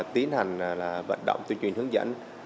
tiến hành là vận động tuyên truyền hướng dẫn